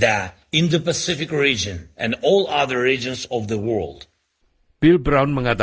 bantuan finansial dan institusional